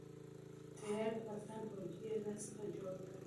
تيار د پاکستان فوجي يې را څخه جوړ کړ.